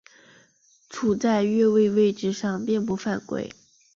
处在越位位置上并不犯规。